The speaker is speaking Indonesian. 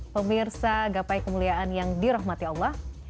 pemirsa gapai kemuliaan yang dirahmati allah